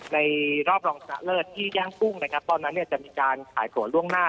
ในรอบรองทะเลิศที่แย่งกุ้งตอนนั้นจะมีการส่ายสวนล่วงหน้า